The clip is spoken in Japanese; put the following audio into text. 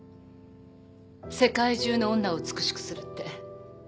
世界中の女を美しくするって。